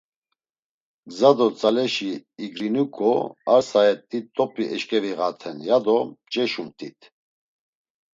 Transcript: Gza do tzaleşi irginuǩo ar saet̆i t̆op̌i eşǩeviğaten, ya do mç̌eşumt̆it.